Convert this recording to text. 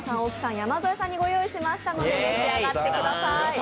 山添さんにご用意しましたので召し上がってください。